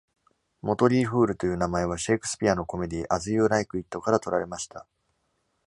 「モトリーフール」という名前は、シェイクスピアのコメディ「As You Like It」から取られました。